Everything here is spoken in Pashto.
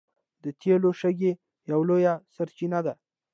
د تیلو شګې یوه لویه سرچینه ده.